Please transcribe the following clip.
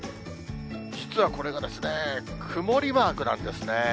実はこれがですね、曇りマークなんですね。